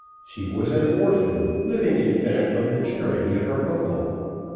She was an orphan, living in fact on the charity of her uncle.